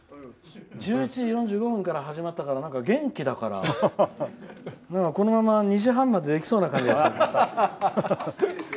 １１時４５分から始まったから元気だからこのまま２時半までできそうな感じがするけど。